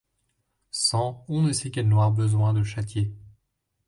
Sent on ne sait quel noir besoin de châtier.